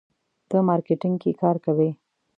ته مارکیټینګ کې کار کوې.